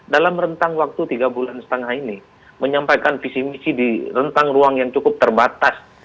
dalam rentang waktu tiga bulan setengah ini menyampaikan visi misi di rentang ruang yang cukup terbatas